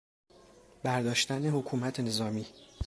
برداشتن حکومت نظامی